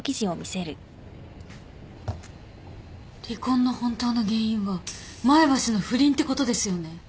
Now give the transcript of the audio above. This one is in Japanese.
離婚の本当の原因は前橋の不倫ってことですよね？